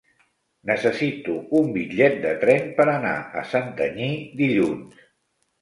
Necessito un bitllet de tren per anar a Santanyí dilluns.